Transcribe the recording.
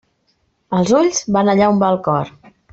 Els ulls van allà on va el cor.